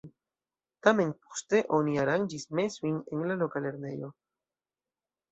Tamen poste oni aranĝis mesojn en la loka lernejo.